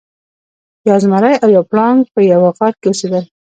یو زمری او یو پړانګ په یوه غار کې اوسیدل.